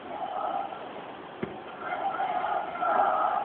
انګرېزان هند ته تللي دي.